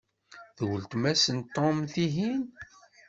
D weltma-s n Tom, tihin?